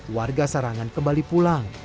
warga sarangan kembali pulang